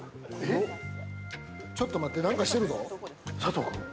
ちょっと待って、何かしてるぞ。